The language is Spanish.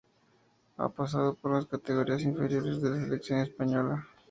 Ha pasado por las categorías inferiores de la selección española.